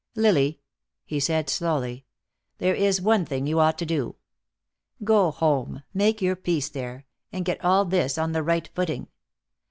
"Lily," he said, slowly, "there is one thing you ought to do. Go home, make your peace there, and get all this on the right footing.